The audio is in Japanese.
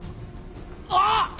あっ！